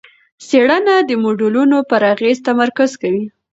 څېړنه د موډلونو پر اغېز تمرکز کوي.